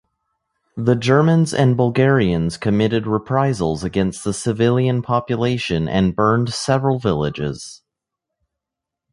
The Germans and Bulgarians committed reprisals against the civilian population and burned several villages.